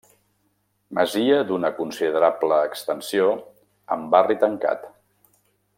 Masia d'una considerable extensió amb barri tancat.